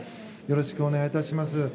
よろしくお願いします。